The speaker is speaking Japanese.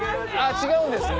違うんですね。